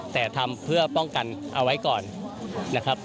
แต่ทำเพื่อป้องกันเอาไว้ก่อนนะครับ